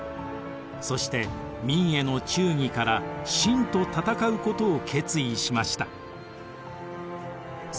そして明への忠義から清と戦うことを決意しました。